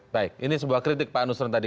baik ini sebuah kritik pak anusron tadi